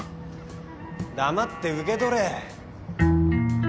黙って受け取れ。